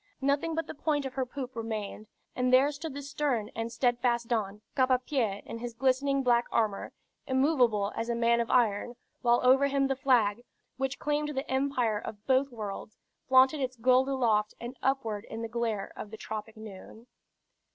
Nothing but the point of her poop remained, and there stood the stern and steadfast Don, cap ŕ pie in his glistening black armor, immovable as a man of iron, while over him the flag, which claimed the empire of both worlds, flaunted its gold aloft and upward in the glare of the tropic noon.